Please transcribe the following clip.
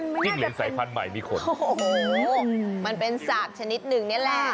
จิ้งหลีนสายพันธุ์ใหม่มีคนโอ้โหมันเป็นสาบชนิดหนึ่งนี่แหละ